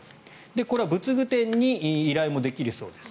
これは仏具店に依頼もできるそうです。